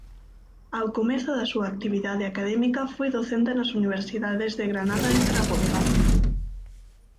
Ao comezo da súa actividade académica foi docente nas universidades de Granada e Zaragoza.